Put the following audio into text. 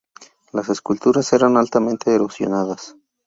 Las esculturas eran altamente erosionadas.